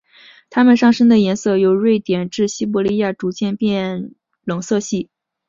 它们上身的颜色由瑞典至西伯利亚逐渐变冷色系。